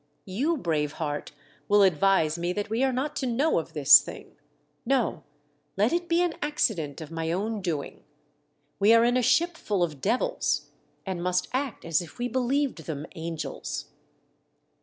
You, brave heart, will advise me that we are not to know of this thing. No, let it be an accident of my own doing. We are in a shipful of devils, and must act as if we belieyed them angels."